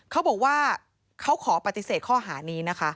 เขาบอกว่าเขาขอปฏิเสธข้อหานี้นะคะ